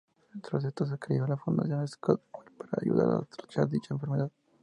Tras esto se creó la fundación Scott Bell para ayudar a tratar dicha enfermedad.